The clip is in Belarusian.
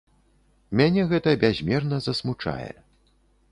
Мяне гэта бязмерна засмучае.